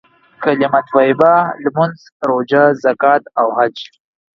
کليمه طيبه، لمونځ، روژه، زکات او حج.